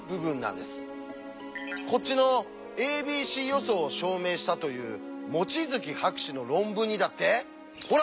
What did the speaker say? こっちの「ａｂｃ予想」を証明したという望月博士の論文にだってほら！